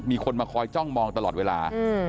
มีคนมาคอยจ้องมองตลอดเวลา